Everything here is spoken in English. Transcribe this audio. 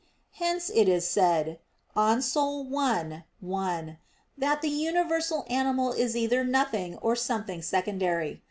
Hence it is said (De Anima i, 1) that the "universal animal is either nothing or something secondary."